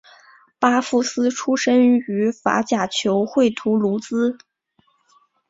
巴夫斯出身于法甲球会图卢兹。